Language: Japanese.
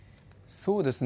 そうですね。